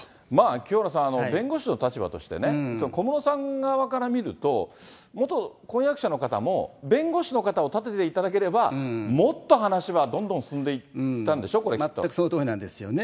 清原さん、弁護士の立場としてね、小室さん側から見ると、元婚約者の方も、弁護士の方を立てていただければもっと話はどんどん進んでいった全くそのとおりなんですよね。